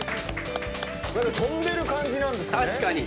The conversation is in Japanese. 何か飛んでる感じなんですかね。